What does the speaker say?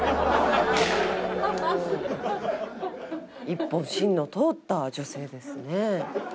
一本芯の通った女性ですね。